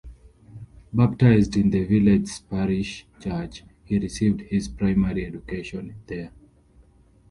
Baptized in the village's parish church, he received his primary education there.